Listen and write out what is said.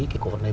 cái cổ vật này